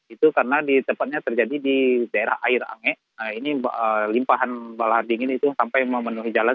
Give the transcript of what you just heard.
itu karena di tempatnya terjadi di daerah air ange ini limpahan balahan dingin itu sampai memenuhi jalan